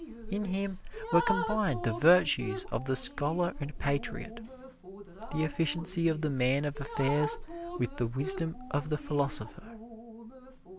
In him were combined the virtues of the scholar and patriot, the efficiency of the man of affairs with the wisdom of the philosopher.